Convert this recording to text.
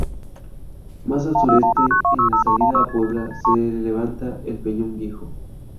Más al sureste, en la salida a Puebla, se levanta el peñón Viejo.